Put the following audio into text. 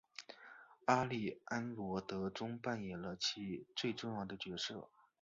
阿丽安萝德中扮演了其最重要的角色。